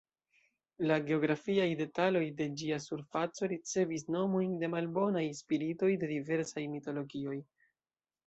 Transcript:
La "geografiaj" detaloj de ĝia surfaco ricevis nomojn de malbonaj spiritoj de diversaj mitologioj.